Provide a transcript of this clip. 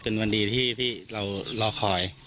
เป็นวันดีที่เรารอคอย